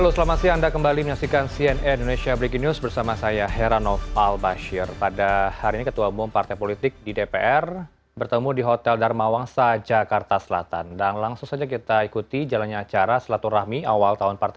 cnn indonesia breaking news